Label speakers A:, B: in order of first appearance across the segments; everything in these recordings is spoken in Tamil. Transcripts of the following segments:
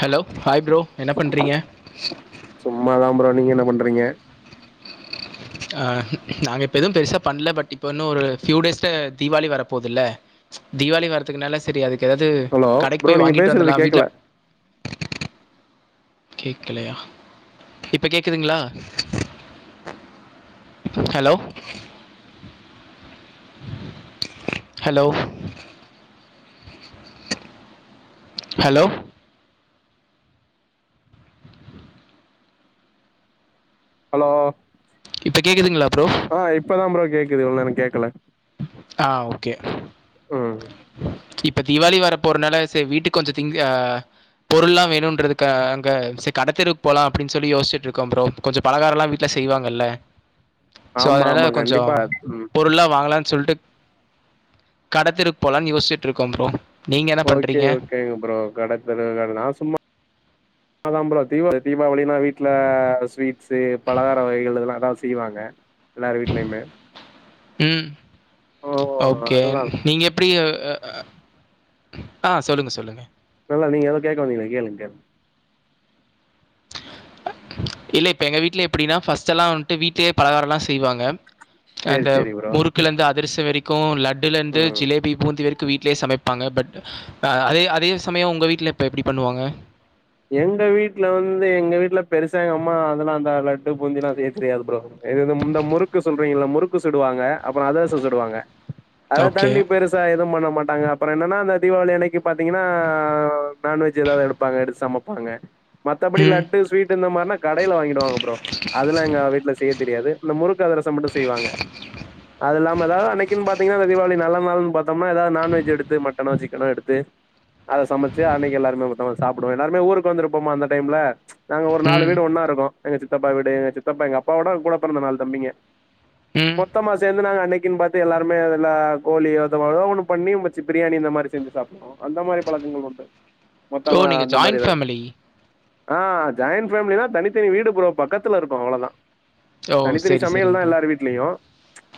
A: ஹலோ ஹாய் ப்ரோ என்ன பண்றீங்க
B: சும்மாதா ப்ரோ நீங்க என்ன பண்றீங்க
A: ஆ நாங்க இப்போ எதும் பெருசா பண்ணல பட் இப்ப இன்னுமஒரு ஃப்ய்யூ டேஸ்ல தீபாவளி வர போதுல்ல தீபாவளி வரதுக்குனால சரி அதுக்கு ஏதாவது
B: ஹலோ
A: கடைக்கு
B: ப்ரோ
A: போய்
B: நீங்க
A: வாங்கிட்டு
B: பேசுறது
A: வந்துலா வீட்ல
B: கேக்கல
A: கேக்கலையா இப்ப கேக்துங்ளா ஹலோ ஹலோ ஹலோ
B: ஹலோ
A: இப்ப கேக்குதுங்களா ப்ரோ
B: ஆ இப்பதா ப்ரோ கேக்குது இவ்ள் நேர எனுக்கேக்கல
A: ஆ ஓகே
B: ம்
A: இப்ப திவாளி வர போறனால செ வீட்டுக்கு கொஞ்ச திங்க் அ பொருள்ல்லா வேணுன்றதுக்கா அங்க செ கடைத்தெருவுக்கு போலா அப்டின் சொல்லி யோஸ்ட்டு இருக்கோ ப்ரோ கொஞ்ச பலகாரல்லா வீட்ல செய்வாங்கல்ல சோ
B: ஆமா
A: அதனால
B: ஆமா
A: கொஞ்ச
B: கண்டிப்பா ம்
A: பொருள்ளா வாங்கலான் சொல்ட்டு கடத்தெருவ்க்கு போலான் யோஸ்ட்டு இருக்கோ ப்ரோ நீங்கள் என்ன
B: ஓகே
A: பண்ணுறீங்க
B: ஓகேங்க ப்ரோ கடைத்தெருவுகானா சும்மா
A: [inaudible]
B: தா ப்ரோ தீபாவளி தீபாவளினா வீட்ல ஸ்வீட்சு பலகார வகைகள் இதெல்லா ஏதாவது செய்வாங்க எல்லாரு வீட்லயுமே
A: ம்
B: ஓ
A: ஓகே
B: அதுதா
A: நீங்கப் ப்ரீயா ஆ சொல்லுங்க சொல்லுங்க
B: நல்லா நீ ஏதோ கேக்க வந்தீங்களே கேளுங் கேளுங்
A: இல்ல இப்ப எங்க வீட்ல எப்டினா பர்ஸ்ட்டெல்லா வந்ட்டு வீட்லேயே பலகாரல்லா செய்வாங்க
B: சேரி
A: அந்த
B: சேரி ப்ரோ
A: முறுக்குல இருந்து அதிர்சோ வெரிக்கு லட்டுலந்து
B: ம்
A: ஜிலேபி பூந்தி வெரிக் வீட்லயே சமைப்பாங்க பட் அதே அதே சமயம் உங்க வீட்ல எப்டி பண்ணுவாங்க
B: எங்க வீட்ல வந்து எங்க வீட்ல பெருசா ஒங்கம்மா அதெல்லா அந்த லட்டு பூந்திலா செய்ய தெரியாது ப்ரோ இது வந்து முந்த முறுக்கு சொல்றீங்களல்ல முறுக்கு சுடுவாங்க அப்புற அதர்ச சுடுவாங்க
A: [inaudible]
B: அத தாண்டி பெருச சா எதும் பண்ண மாட்டாங்க அப்றோ என்னன்னா அந்த தீபாவளி அன்னிக்கு பாத்தீங்கன்னா நான்வெஜ் ஏதாது எப்பாங்க எடுத் சமப்பாங்க மத்தபடி
A: ம்
B: லட்டு ஸ்வீட் இந்த மாரினா கடையில வாங்கிடுவாங்க ப்ரோ அதெல்லா எங்க வீட்ல செய்ய தெரியாது இந்த முறுக்கு அதிரசம் மட்டு செய்வாங்க அது இல்லாம தா அனைக்கின்னு பாத்தீங்னா தீபாவளி நல்ல நாளுன்னு பாதோம்னா எதாது நான்வெஜ் எடுத்து மட்டனோ சிக்கனோ எடுத்து அத சமைச்சி அன்னைக்கி எல்லாருமே மொத்மா சாப் டுவோ எல்லாருமே ஊருக்கு வந்துருப்போமா அந்த டைம்ல நாங்க ஒரு நாலு
A: ம்
B: வீடு ஒன்னா இருக்கோ எங்க சித்தப்பா வீடு எங்க சித்தப்பா எங்க அப்பாவோட கூட பெறந்த நாலு தம்பிங்க
A: ம்
B: மொத்தமா சேந்து நாங்க அன்னைக்குன்னு பாத் து எல்லாருமே அதுல கோழி அது மாரிலா ஒன்னு பண்ணி சமைச்சி பிரியாணி இந்த மாரி செஞ்சி சாப்டுவோ அந்த மாரி பழக்கங்கள் உண்டு
A: ஓ
B: மொத்தமா
A: நீங்கள்
B: அந்த மாரி
A: ஜாயிண்ட்
B: ஏதாது
A: ஃபேமிலி
B: ஆ ஜாயிண்ட் ஃபேமிலினனா தனித்தனி வீடு ப்ரோ பக்கத்துல இருக்கோ அவ்ளதா
A: ஓ
B: தனித்தனி
A: சரி
B: சமையல்
A: சரிங்க
B: தா
A: ப்ரோ
B: எல்லாரு வீட்லயு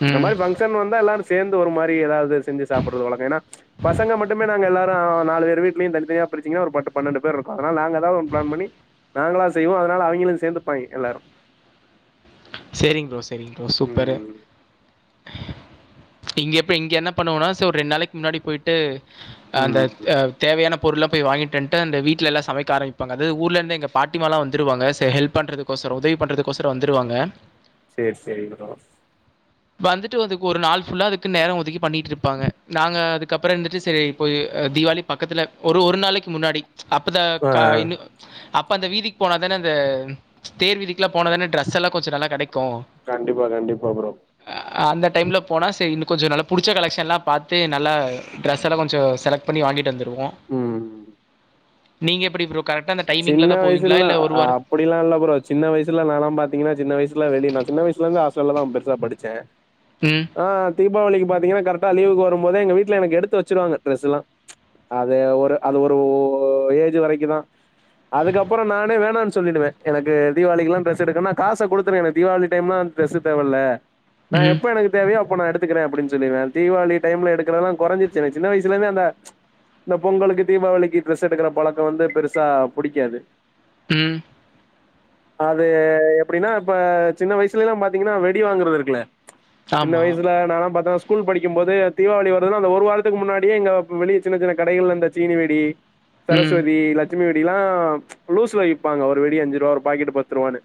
B: இந்த
A: ம்
B: மாரி ஃபங் க்ஷன் வந்தா எல்லாரு சேந்து ஒரு மாரி ஏதாது செஞ்சி சாப்புட்றது வழக்கோ ஏன்னா பசங்க மட்டுமே நாங்க எல்லாரு நாலு பேரு வீட்டுலயு தனிதனியா பிரிச்சிங்கன்னா ஒரு பத்து பன்னெண்டு பேர் இருக்கு அதனால நாங்க எதாது ஒன் பிளான் பண்ணி நாங்களா செய்வோ அதனால அவிங்களு சேந்துப்பாங்க எல்லாரு
A: சேரிங்க ப்ரோ சேரிங்க ப்ரோ சூப்பரு
B: ம்
A: இங்க எப்ப இங்க என்ன பண்ணுவோனா சோ ரெண் நாளைக் முன்னாடி போயிட் ட்டு அந்த
B: ம்
A: ஆ தேவையான பொருள்லா போயி வாங்கிட்டு வன்ட்டு அந்த வீட்ல எல்லா சமைக்க ஆரம்பிப்பாங்க அது ஊர்லருந்து எங்க பாட்டிமாளா வந்துருவாங்க சேல் பண்ணுறது கோசரோ உதவி பண்ணறதுக்கோசரோ வந்துருவாங்க
B: சேர் சேரி ப்ரோ
A: வந்துட்டு அதுக்கு ஒரு நாள் ஃபுல்லா அதுக்கு நேரோ ஒதுக்கி பண்ணிட்டு இருப்பாங்க நாங்க அதுக்கப்றோ இருந்துட்டு செரி இப்ப ஆ திவாளி பக்கத்துல ஒரு ஒரு நாளைக்கு முன்னாடி அப்பதா
B: ஆ
A: இன்னு அப்ப அந்த வீதிக்கு போனாதானே அந்த தேர் வீதிக்லா போனாதானே டிரரெஸ் எல்லா கொஞ்ச நல்லா கெடைக்கு
B: கண்டிப்பா கண்டிப்பா ப்ரோ
A: ஆ அந்த டைம்ல போனா சேரி இன்னு கொஞ்சோ நல்லா புடிச்ச கலெஷன்லா பாத்து நல்ல ட்ரெஸ் எல்லா கொஞ்சோ செலக்ட் பண்ணி வாங்கிட்டு வந்து டுவோ
B: ம்
A: நீங்க எப்டி ப்ரோ கரெக்டா அந்த டைமிங்ல
B: சின்ன
A: தான் போவீங்களா
B: வயசுக்லா
A: இல்ல ஒரு
B: ஆ
A: வார
B: அப்டில்லா இல்ல ப்ரோ சின்ன வயசுல நாலா பாத்திங்னா சின்ன வயசுல வெளி நா சின்ன வயசுல இருந்து ஹாஸ்டல்ல தா பெருசா படிச்சே
A: ம்
B: ஆ தீபாவளிக்கு பாத்திங்னா கரெக்டா லீவுக்கு வரும்போதே எங்க வீட்ல எனக்கு எடுத்து வெச்சிடுவாங்க டிரஸ்லா அது ஒரு அது ஒரு ஏஜ் வரைக்குதா அதுக்கப்புறோ நானே வேணான்னு சொல்லிடுவே எனக்கு தீபாவளிக்லா ட்ரஸ் எடுக்கணும்னா காச குடுத்துரு எனக்கு தீபாவளி டைம்லா வந்து டிரஸ்சு தேவல்ல நா
A: ம்
B: எப்ப எனக்கு எப்ப தேவையோ அப்ப நா எடுத்துக்குற அப்டின்னு சொல்லுவே தீபாவளி டைம்ல எடுக்குறதெல்லா குறைஞ்சிச்சி எனக்கு சின்ன வயசுல இருந்தே அந்த இந்த பொங்கலுக்கு தீபாவளிக்கு ட்ரெஸ் எடுக்கற பழக்கோ வந்து பெருசா புடிக்காது
A: ம்
B: அது எப்டின்னா இப்ப சின்ன வயசுலல்லா பாத்தீங்னா வெடி வாங்குறது இருக்குல்ல சின்ன
A: ஆமா
B: வயசுல நானாலா பாத்தனா ஸ்கூல் படிக்கும் போதோ தீபாவளி வருதுன்னா அந்த ஒரு வாரத்துக்கு முன்னாடியே எங்க வெளிய சின்ன சின்ன கடைகள்ல அந்த சீனி வேடி
A: ம்
B: சரஸ்வதி லட்சுமி வெடிலா லூஸ்ல விப்பாங்க ஒரு வெடி அஞ்சி ரூபா ஒரு பாக்கெட் பத்து ரூவான்னு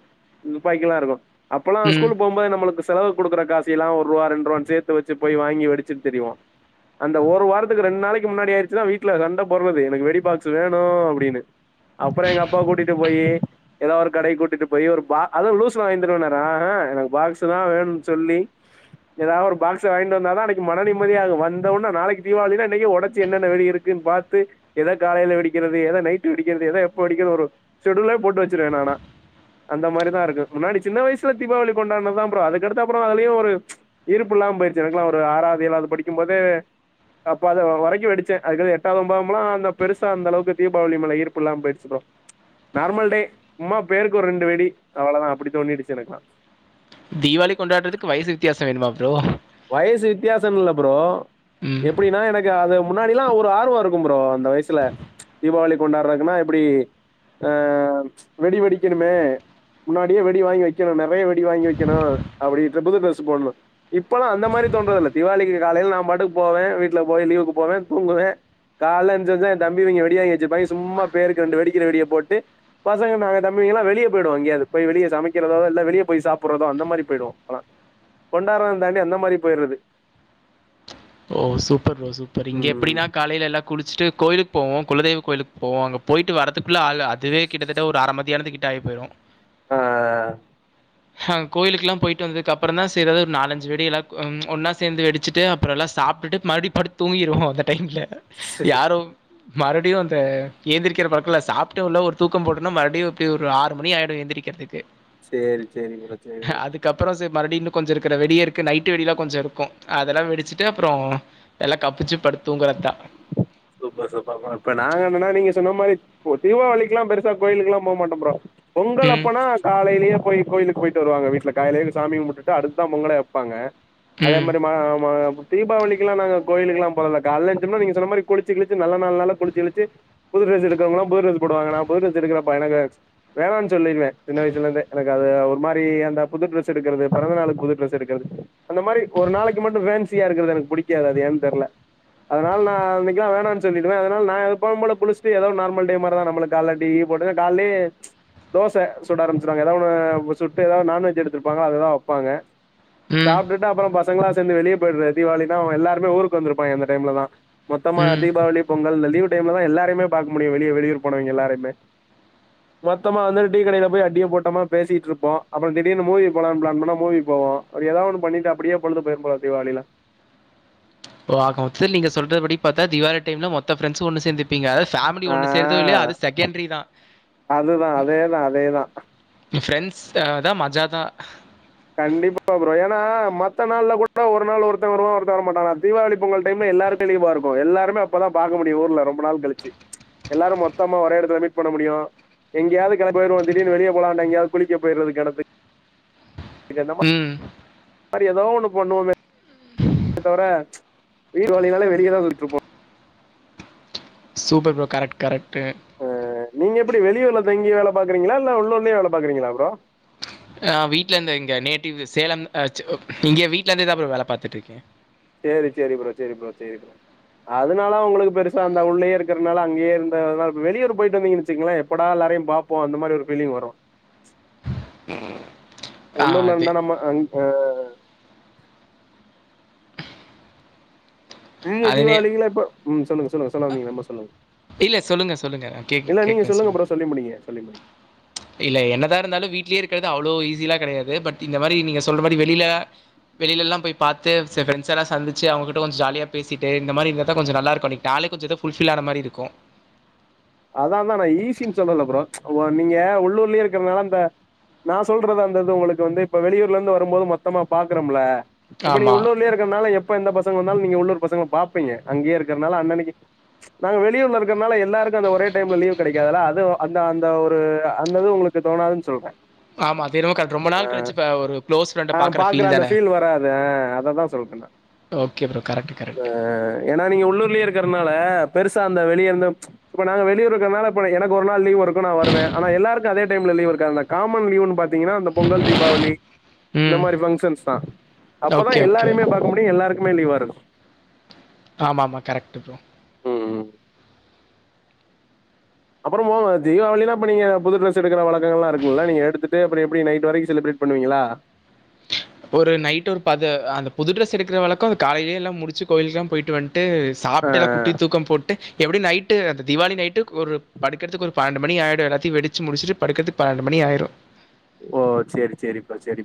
B: தூப்பாக்கில்லா இருக்கு அப்பல்லா
A: ம்
B: ஸ்கூல் போம்போது நம்மளுக்கு செலவு குடுக்குற காச எல்லா ஒர் ரூவா ரெண்டு ரூவான்னு சேத்துவெச்சி போயி வாங்கி வெடிச்சிட்டு திரிவோ அந்த ஒரு வாரத்துக்கு ரெண்டு நாளைக்கி முன்னாடி ஆயிடுச்சுனா வீட்ல சண்ட போடுறது எனக்கு வெடி பாக்ஸ் வேணு அப்டின்னு அப்பற எங்க அப்பா கூட்டிட்டு போயி ஏதா ஒரு கடை கூட்டிட்டு போயி ஒரு பா அதுவு லூஸ்ல வாங்கிதருவேன்னாறா ஆஹ எனக்கு பாக்ஸ்தா வேணும்னு சொல்லி ஏதாவது ஒரு பாக்ஸ் வாங்கிட்டு வந்தாதா அன்னைக்கி மன நிம்மதிய இருக்கு வந்த ஒன நாளைக்கி தீபாவளினா இன்னைக்கே ஒடச்சு என்னன்ன வெடி இருக் குனு பாத்து எத காலையில வெடிக்கிறது எத நைட் டு வெடிக்கிறது ஏத எப்போ வெடிக்கிறது ஒரு ஷெடியூலே போட்டு வச்சிருவே நானா அந்த மாரிதா இருக்கு முன்னாடி சின்ன வயசுல தீபாவளி கொண்டானதா ப்ரோ அதுக்கடுத்த அப்பற அதுலயு ஒரு விருப்மில்லாம போயிடுச்சு எனக்ல்லா ஒரு ஆறாவது ஏழாவது படிக்கும் போது அப்ப அத வரைக்கு வெடிச்சே அதுக்கு எட்டாவது ஒன்பதாம்லா அந்த பெருசா அந்த அளவுக்கு தீபாவளி மேல ஈர்ப்பு இல்லாம போயிடுச்சு ப்ரோ நார்மல் டே சும்மா பேருக்கு ஒரு ரெண்டு வேடி அவ்ளதா அப்டி தோண்டிடுச்சு எனக்கெலா
A: தீபாவளி கொண்டாடுறதுக்கு வயசு வித்தியாச வேணுமா ப்ரோ
B: வயசு வித்தியாசன்னு இல்ல ப்ரோ
A: ம்
B: எப்டின்னா எனக்கு அது முன்னாடில்லா ஒரு ஆர்வோ இருக்கு ப்ரோ அந்த வயசுல தீபாவளி கொண்டாடுறதுக்குன்னா இப்டி அ வெடி வெடிக்கணுமே முன்னாடியே வெடி வாங்கி வைக்கணு நெறைய வெடி வாங்கி வைக்கணு அப்டின்று புது டிரெஸ் போடணு இப்பல்லா அந்த மாரி தோன்றதில்ல தீபாவளிக்கு காலையில நா பாட்டுக்கு போவே வீட்ல போய் லீவுக்கு போவே தூங்குவே காலைல என்திச்சோன எ தம்பி இவங்க வெடி வாங்கி வச்சுருப்பாங்க சும்மா பேருக்கு ரெண்டு வெடிக்கிற வெடிய போட்டு பசங்க நாங்க தம்பிங்கங்கனா வெளிய போய்டுவோ எங்கயாது போய் வெளிய சமைக்கிறதோ இல்ல வெளிய போய் சாப்றதோ அந்த மாதிரி போயிடுவோ ஆனா கொண்டாரதாண்டி அந்த மாரி போயிடுறது
A: ஓ சூப்பர் ப்ரோ சூப்பர் இங்க
B: ம்
A: எப்டினா காலையில எல்லா குளிச்சுட்டு கோயிலுக்கு போவோ குலதெய்வ கோவிலுக்கு போவோ அங்க போயிவிட்டு வரதுக்கு குள்ள ஆ அதுவே கிட்டத்தட்ட ஒரு அரைமத்தியானது கிட்ட ஆயிபோயிரு
B: ஆ
A: கோயிலுக்கலா போயிட்டு வந்ததுக்கப்பறந்தா செய்றது ஒரு நாலஞ்சு வெடி எல்லா ம் ஒன்னா சேந்து வெடிச்சுட்டு அப்பற எல்லா சாப் மறுபடி படுத்து தூங்கிடுவோ அந்த டைம்ல யாரு மறுபடியு அந்த எந்திரிக்கிற பழக்க இல்ல சாப்டடோன ஒரு தூக்க போட்டனா மறுபடியு எப்டியு ஒரு ஆறு மணி ஆயிடு எந்தி ரிக்கிறதுக்கு
B: சேரி சேரி ப்ரோ சேரி ப்ரோ
A: அதுக்கப்பற சேரி மறுபடியு இன்னு கொஞ்சோ இருக்குற வெடிய இருக்கு நைட்டு வெடிலா கொஞ்ச இருக்கு அதெல்லா வெடிச்சுட்டு அப்பற எல்லா கப்சிப் படுத்து தூங்கறத்தா
B: சூப்பர் சூப்பர் ப்ரோ இப்ப நாங்க என்னன்னா நீங்க சொன்ன மாரி ஓ தீபாவளிக்குல்லா பெருசா கோயிலுக்கெல்லா போக மாட்டோ ப்ரோ பொங்கல்
A: ம்.
B: அப்பனா காலைலயே போய் கோயிலுக்கு போயிட்டு வருவாங்க வீட்ல காலையில எழுந்து சாமிகும்பிட்டு அடுத்து தா பொங்கலே வப்பாங்க அதே
A: ம்.
B: மாரி மா ம தீபாவளிக்கு எல்லா நாங்க கோயிலுக்கு எல்லா போராதில்ல காலைல எந்ச்சம்னா நீங்க சொன்ன மாரி குளிச்சுகிளிச்சு நல்ல நாள்னால குளிச்சுகிளிச்சு புது டிரஸ் எடுக்கறவங்கலா புதுடிரஸ் போடுவாங்கா நா புது டிரஸ் எடுக்கிலப்பா எனக்கு வேணான்னு சொல்லிருவே சின்ன வயசுல இருந்தே எனக்கு அது ஒரு மாரி அந்த புது ட்ரெஸ் எடுக்கிறது பிறந்தநாளுக்கு புது ட்ரெஸ் எடுக்கிறது அந்த மாரி ஒரு நாளைக்கு மட்டு ஃபேன்சியா இருக்கிறது எனக்கு புடிக்காது அது ஏன்னு தெர்ல அதனால நா அன்னைக் லா வேணானு சொல்லிடுவே அதனால நா எப்பவு போல குளுச்சுட்டு ஏதோ நார்மல் டே மாரிதா நம்ளுக்கு கால்ல டீ இ போட்டு கால்லே தோச சுட ஆரம்பிச்சுருவாங்க ஏதா ஒன்னு சுட்டு ஏதாவது நண்வெஜ் எடுத்திருப்பாங்க அததுதா வப்பாங்க
A: ம்.
B: சாப்ட்டுட்டு அப்பற பசங்கள்லா சேந்து வெளிய போயிடுற தீபாவளின்னா எல்லாருமே ஊருக்கு வந்துருப்பாங்க இந்தடைம்லதா சுத்தமா
A: ம்.
B: தீபாவளி பொங்கல் இந்த லீ் டைம்லதா எல்லாருமே பாக்க முடியு வெளிய வெளியூர் போனவங்க எல்லாரையுமே மொத்தமா வந்து டீ கடைய போய் அடிய போட்டமா பேசிட்டுருப்போ அப்பற திடீர்னு மூவி போலானு பிளான் பண்ணா மூவி போவோ அப்டி ஏதா ஒண்ணு பண்ணிட்டு அப்டியே பொழுது போயிரு போலா தீபாவளிலா
A: ஆகமொத்துல நீங்க சொல்ற படி பாத்தா தீவாளி டைம்ல மொத்த ஃப்ரண்ட்ஸ்சு ஒன்னு சேந்துப் ப்பீங்க அதது ஃபேமிலி
B: ஆ
A: ஒண்ணு சேருதோ இல்லையோ அது செகண்டரிதா
B: அதுதா அதேதா அதேதா
A: என் ஃப்ரெண்ட்ஸ் தான் மஜாத தான்
B: கண்டிப்பா ப்ரோ ஏனா மத்த நாள்ல கூட ஒரு நாள் ஒருத்தன் வருவா ஒருத்தன் வர மாட்டா ஆனா தீபாவளி பொங்கல் டைம்ல எல்லாருக்கும் லீவாருக்கும் எல்லாருமே அப்பதான் பாக்க முடியும் ஊர்ல ரொம்ப நாள் கழிச்சு எல்லாரும் மொத்தமா ஒரே எடத்துல மீட் பண்ண முடியும் எங்கயாவது கெள போயிட வ திடீனு வெளிய போலான்டா எங்கயாது குளிக்க போய்ட்றது கெணத்துக்கு ச
A: ம்
B: மாறி எதோ ஒன்னு பண்ணுவோமே தவிர தீபாவளினா வெளிய தான் சுத்திட்ருப்போம்
A: சூப்பர் ப்ரோ கரெக்ட் கரெக்ட்
B: அ நீங்க எப்டி வெளியூர்ல தங்கி வேலை பாக்கறீங்களா இல்ல உள்ளூர்லயே வேலை பாக்குறீங்களா ப்ரோ
A: ஆ வீட்டுலருந்து இங்க நேட்டிவ் சேலம் இங்கே வீட்ல இருந்துதான் வேலை பாத்துட்டுருக்கேன்
B: சரி சரி ப்ரோ சரி ப்ரோ சரி ப்ரோ அதனால உங்களுக்கு பெருசா அந்த உள்ளேயே இருக்கறனால அங்கய இருக்கனால வெளியூர் போயிட்டு வந்தீங்கனு வச்சுங்களேன் எப்படா எல்லாரையும் பாப்போம் அந்த மாறி ஒரு பீலி்ங் வரும்
A: உம்
B: உள்ளூர்ல இருந்தா நம்ம அ நீங்க
A: அதுனே
B: தீபாவளிலா இப்ப ம் சொல்லுங்க சொல்லுங்க எதோ சொல்லா வந்தீங்க சொல்லுங்க
A: இல்ல சொல்லுங்க சொல்லுங்க கேக்றேன்
B: இல்ல நீங்க
A: கேக்குறேன்
B: சொல்லுங்க
A: சொல்லு
B: ப்ரோ சொல்லி முடிங்க சொல்லி முடிங்க
A: இல்ல என்னதா இருந்தாலும் வீட்லயே இருக்கறது அவ்ளோ ஈஸிலா கெடையாது பட் இந்த மாதிரி நீங்க சொல்ற மாதிரி வெளியில வெளிலல்லாம் போய் பாத்து ஃப்ரண்ட்ஸ்ல்லாம் சந்திச்ச அவங்கிட்ட கொஞ்ச ஜாலியா பேசிட்டு இந்த மாதிரி இருந்தாதா கொஞ்சம் நல்லாருக்கும் நாளே கொஞ்சம்தான் ஃபுல்ஃபில் ஆன மாதிரி இருக்கும்
B: அதான் தான் நான் ஈஸின்னு சொல்லல ப்ரோ நீங்க உள்ளூர்லயே இருக்கறதுனால அந்த நான் சொல்றது அந்தது உங்களுக்கு வந்து இப்ப வெளியூர்ல இருந்து வரும்போது மொத்தமா பாக்குறோம்ல இப்ப நீங்க
A: ஆமாம்
B: உள்ளூர்லயே இருக்கறனால எப்ப எந்த பசங்க இருந்தாலும் நீங்க உள்ளூர் பசங்கள பாப்பீங்க அங்கியே இருக்கிறனால அன்னைக்கு நாங்க வெளியூர் இருக்கறனால எல்லாரும் எல்லாருக்கும் ஒரே டைம்ல லீவ் கிடைக்காததுல்ல அது அந்த அந்த ஒரு அது உங்களுக்கு தோணாதுன்னு சொல்றேன்
A: ஆமாம் அது என்னமோ ரொம்ப
B: ஆ
A: நாள் கழிச்சு இப்போ ஒரு க்ளோஸ் ஃப்ரெண்டை
B: ஆ
A: பார்க்குற
B: பாக்கற அந்த
A: தானே
B: ஃபீல் வராது அததா சொல்லறே நா
A: ஓகே ப்ரோ கரெக்ட் கரெக்ட்
B: ஏனா நீங்க உள்ளூர்லயே இருக்கிறதுனால பெருசா அந்த வெளியருந்த இப்போ நா வெளியூர்ல இருக்கனால இப்ப எனக்கு ஒரு நாள் லீ்வுருக்கும் நா வருவேன் ஆனா எல்லாருக்கும் அதே டைம்ல லீ்வு இருக்கா காமன் லீவுனு பாத்தீங்கன்னா இந்த பொங்கல் தீபாவளி இந்த
A: ம்
B: மாதிரி ஃபங்க்ஷன்ஸ் தான்
A: ஓகே
B: அப்பதான்
A: ஓகே
B: எல்லாரையுமே பாக்க முடியும் எல்லாருக்குமே லீவாருக்கும்
A: ஆமாமா கரெக்டு ப்ரோ
B: ம் அப்புறம் தீபாவளிலாம் இப்ப நீங்க புது ட்ரெஸ் எடுக்கற வழக்க இருக்குங்கல்ல நீங்க எடுத்துட்டு அப்றம் எப்டி நைட்டு வரைக்கும் செலிப்ரட் பண்ணுவீங்களா
A: ஒரு நைட் ஒரு பத அந்த புதுடிரெஸ் எடுக்கிற வழக்கும் அந்த காலையிலயேல்லாம் முடிச்சு கோயிலுக்குல்லாம் போயிட்டு வந்துட்டு ட்டு
B: ஆ
A: சாப்ட்டு எல்லா குட்டி தூக்கம் போட்டு எப்படி நைட்டு அந்த தீவாளி நைட்டுக்கு ஒரு படுக்கறதுக்கு ஒரு பன்னெண்டு மணி ஆய்டும் எல்லாத்தையும் வெடிச்சு முடிச்சுட்டு படுக்கிறதுக்கு பன்னெண்டு மணி ஆய்டும்
B: ஓ செரி செரிப்பா செரி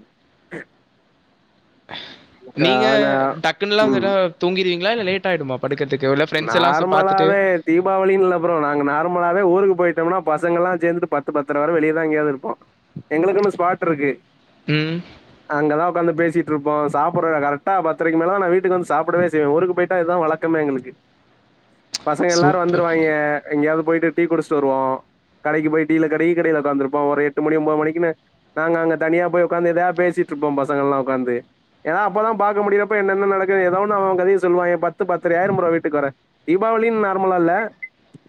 B: ப்ரோ
A: [inaudible] நீங்க
B: நாங்க
A: டக்குன்னல்லாம்
B: ம்
A: தூங்கிருவீங்களா இல்ல லேட் ஆகுமா படுக்கறதுக்கு ப்ரெண்ட்ஸ் எல்லாம் பாத்துட்டு
B: நார்மலாவே தீபாவளின்னு இல்ல ப்ரோ அப்புறம் நாங்க நார்மலாவ ஊர்க்கு போயிட்டோம்னா பசங்கள்ல்லாம் சேந்து பத்து பத்தற வர வெளியதான் எங்கயாவது இருப்போம் எங்களுக்குனு ஸ்பாட் இருக்கு
A: ம்
B: அங்கதா உக்காந்து பேசிட்ருப்போ சாப்பட்றதா கரக்ட்டா பத்தரைக்கு மேல தா நா வீட்டுக்கு வந்து சாப்படவே செய்வ ஊருக்கு போய்ட்டா இதுதா வழக்கமே எங்களுக்கு பசங்க எல்லாரு
A: சூப்பர் ப்ரோ
B: வந்துருவாய்ங்க எங்கயாது போயிட்டு டீ குடிச்சிட்டு வருவோ கடைக்கு போய் டீல கடை டீ கடைல ஒக்காந்துருப்போ ஒரு எட்டு மணி ஒம்போது மணிக்குனு நாங்க அங்க தனியா போய் உக்காந்து எதையாது பேசிட்டுருப்போம் பசங்களா ஒக்காந்து ஏன்னா அப்பதா பாக்க முடியறப்ப என்னன்ன நடக்குது ஏதொன்ன அவன் அவன் கதைய சொல்லுவாய்ங்க பத்து பத்தர ஆயிரு ப்ரோ வீட்க்கு வர தீபாவளின்னு நார்மலா இல்ல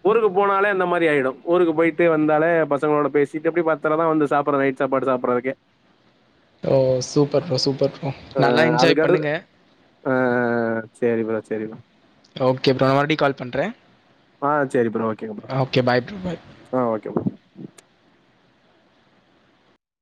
B: ஊருக்கு போனாலே அந்த மாரி ஆயிடு ஊருக்கு போயிட்டு வந்தாலே பசங்களோட பேசிட்டு அப்டே பாத் த்றதா வந்து சாப்புடுற நைட் சாப்பாடு சாப்படுறதுக்கே
A: ஓ சூப்பர் ப்ரோ சூப்பர் ப்ரோ நல்லா என்ஜாய்
B: அதுக்கடு
A: பண்ணுங்க
B: ஆ ஆ ஆ சேரி ப்ரோ சேரி ப்ரோ
A: ஓகே ப்ரோ நா மறுபுடி கால் பண்றே
B: ஆ சேரி ப்ரோ ஓகேங்க ப்ரோ
A: பாய் ப்ரோ பாய்
B: ஆ ஓகே ப்ரோ